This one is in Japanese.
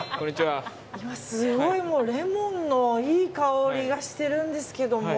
今、すごいレモンのいい香りがしてるんですけども。